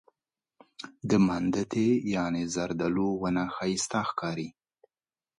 زردالو ونه ښایسته ښکاري.